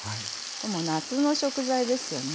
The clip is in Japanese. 夏の食材ですよね。